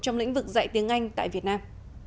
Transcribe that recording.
trong lĩnh vực dạy tiếng anh tại việt nam